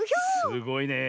すごいねえ。